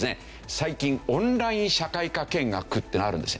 最近オンライン社会科見学ってあるんですよ。